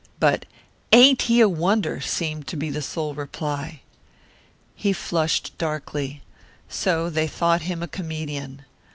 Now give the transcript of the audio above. But "Ain't he a wonder!" seemed to be the sole reply. He flushed darkly. So they thought him a comedian.